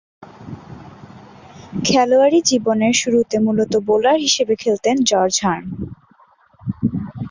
খেলোয়াড়ী জীবনের শুরুতে মূলতঃ বোলার হিসেবে খেলতেন জর্জ হার্ন।